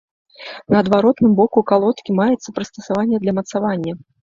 На адваротным боку калодкі маецца прыстасаванне для мацавання.